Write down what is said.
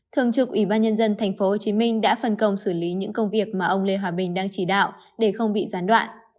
thường trực ủy ban nhân dân tp hcm đã phân công xử lý những công việc mà ông lê hòa bình đang chỉ đạo để không bị gián đoạn